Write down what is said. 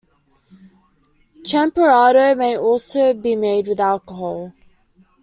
Champurrado may also be made with alcohol.